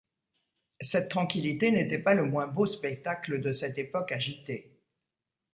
Cette tranquillité n’était pas le moins beau spectacle de cette époque agitée.